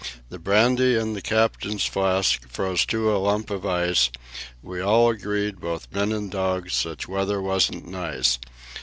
The brandy in the Captain's flask froze to a lump of ice; We all agreed, both men and dogs, such weather wasn't nice.